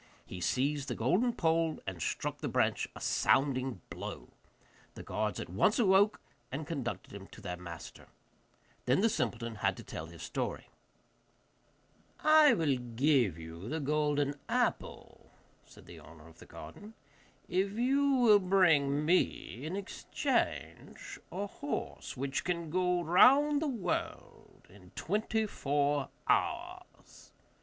He seized the golden pole, and struck the branch a sounding blow. The guards at once awoke, and conducted him to their master. Then the simpleton had to tell his story. 'I will give you the golden apple,' said the owner of the garden, 'if you will bring me in exchange a horse which can go round the world in four and twenty hours.